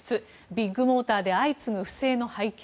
ビッグモーターで相次ぐ不正の背景。